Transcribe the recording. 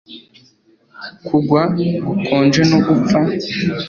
Kugwa gukonje no gupfa